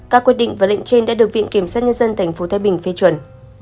các quyết định và lệnh trên đã được viện kiểm sát nhân dân tp thái bình phê chuẩn